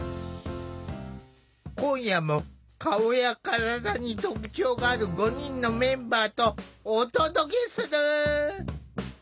今夜も顔や体に特徴がある５人のメンバーとお届けする。